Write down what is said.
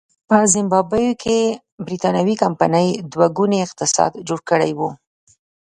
په زیمبابوې کې برېټانوۍ کمپنۍ دوه ګونی اقتصاد جوړ کړی و.